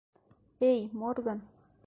Эй, Морган!